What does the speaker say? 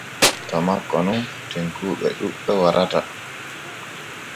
To makko nun tenkuuɓe ɗuɓɓe warata.